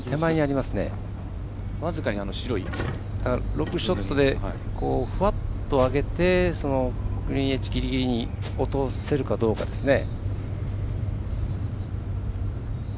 ロブショットでふわっと上げてグリーンエッジギリギリに落とせるかですね。